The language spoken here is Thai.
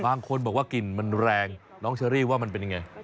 บางคนบอกว่ากลิ่นมันแรงน้องเชอรี่ว่ามันเป็นยังไง